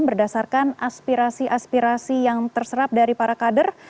berdasarkan aspirasi aspirasi yang terserap dari para kader